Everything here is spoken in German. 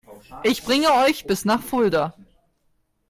Ich bringe euch bis nach Fulda